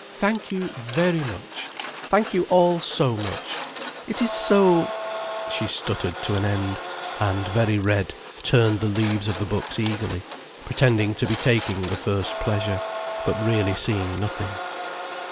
"Thank you very much—thank you all so much—it is so——" She stuttered to an end, and very red, turned the leaves of the books eagerly, pretending to be taking the first pleasure, but really seeing nothing.